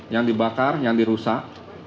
yang dibakar yang dirusak